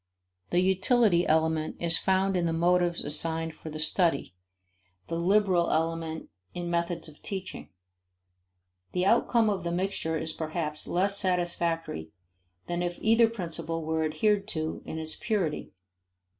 The "utility" element is found in the motives assigned for the study, the "liberal" element in methods of teaching. The outcome of the mixture is perhaps less satisfactory than if either principle were adhered to in its purity.